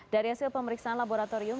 dari hasil pemeriksaan laboratorium